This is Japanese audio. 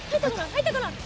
入ったかな？